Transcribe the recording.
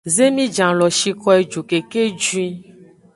Zemijan lo shiko eju keke juin.